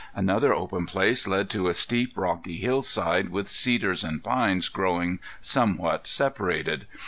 Another open place led to a steep, rocky hillside with cedars and pines growing somewhat separated.